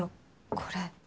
これ。